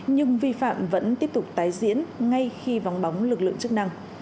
nhưng vi phạm vẫn tiếp tục tái diễn ngay khi vắng bóng lực lượng chức năng